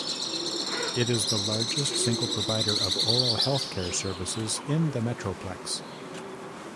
It is the largest single provider of oral health care services in the Metroplex.